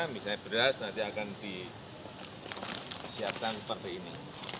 misalnya beras nanti akan disiapkan seperti ini